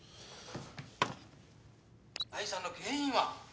「解散の原因は？」